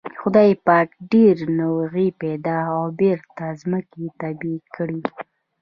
خدای پاک ډېر نوغې پيدا او بېرته د ځمکې تبی کړې.